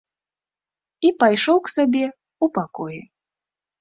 І пайшоў к сабе ў пакоі.